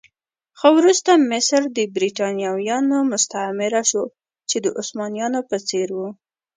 خو وروسته مصر د برېټانویانو مستعمره شو چې د عثمانيانو په څېر و.